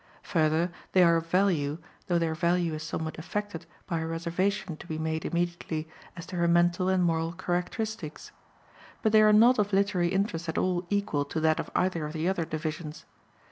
Further, they are of value, though their value is somewhat affected by a reservation to be made immediately, as to her mental and moral characteristics. But they are not of literary interest at all equal to that of either of the other divisions.